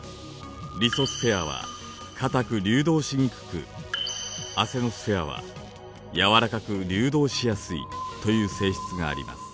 リソスフェアは固く流動しにくくアセノスフェアは軟らかく流動しやすいという性質があります。